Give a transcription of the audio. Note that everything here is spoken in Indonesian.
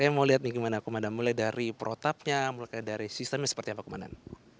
saya mau lihat nih gimana komandan mulai dari protapnya mulai dari sistemnya seperti apa komandan